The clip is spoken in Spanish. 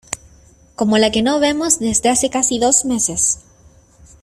como la que no vemos desde hace casi dos meses.